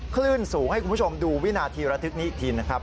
คลื่นสูงให้คุณผู้ชมดูวินาทีระทึกนี้อีกทีนะครับ